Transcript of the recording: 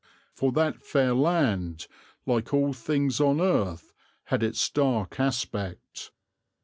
For that fair land, like all things on earth, had its dark aspect.